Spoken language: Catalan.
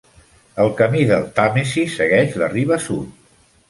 El Camí del Tàmesi segueix la riba sud.